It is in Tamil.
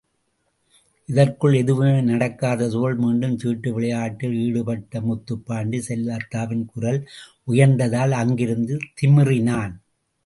இதற்குள் எதுவுமே நடக்காததுபோல் மீண்டும் சீட்டு விளையாட்டில் ஈடுபட்ட முத்துப்பாண்டி செல்லாத்தாவின் குரல் உயர்ந்ததால் அங்கிருந்து திமிறினான்.